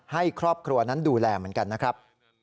ให้ครอบครัวนั้นดูแลเหมือนกันนะครับ